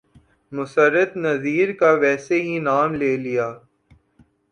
مسرت نذیر کا ویسے ہی نام لے لیا۔